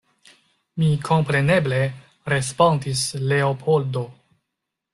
Mi kompreneble, respondis Leopoldo.